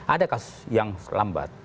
ada kasus yang lambat